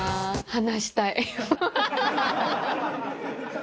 話したい。